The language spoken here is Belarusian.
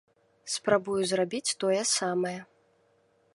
Спрабую зрабіць тое самае.